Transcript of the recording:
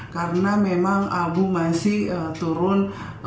karena memang abu masih turun